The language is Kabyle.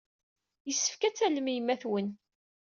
Yessefk ad tallem yemma-twen.